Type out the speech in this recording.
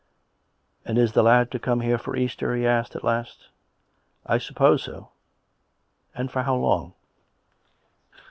" And is the lad to come here for Easter? " he asked at last. " I suppose so." " And for how long